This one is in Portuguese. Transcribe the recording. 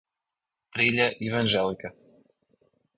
Trilha evangélica